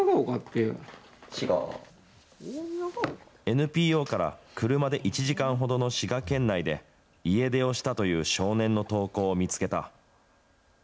ＮＰＯから車で１時間ほどの滋賀県内で、家出をしたという少年の投稿を見つけた。